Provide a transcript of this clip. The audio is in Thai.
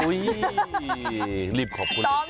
อุ้ยรีบขอบคุณ